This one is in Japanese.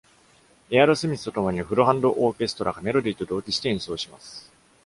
エアロスミスとともに、フルハンドオーケストラがメロディと同期して演奏します。